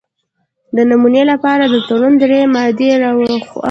د نمونې لپاره د تړون درې مادې را اخلو.